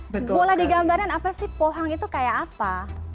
boleh digambarin apa sih pohang itu kayak apa